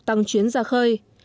tăng chuyến ra khơi